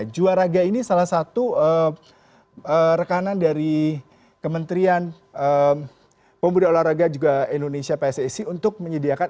juaraga ini salah satu rekanan dari kementerian pemuda olahraga juga indonesia pssi untuk menyediakan